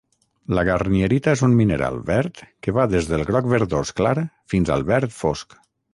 La garnierita és un mineral verd que va des del groc verdós clar fins al verd fosc.